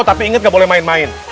tapi inget gak boleh main main